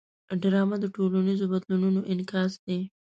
ډرامه د ټولنیزو بدلونونو انعکاس دی